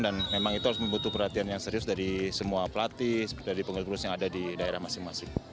dan memang itu harus membutuhkan perhatian yang serius dari semua pelatih dari pengelulus yang ada di daerah masing masing